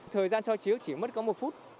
thời gian soi chiếu chỉ mất có một phút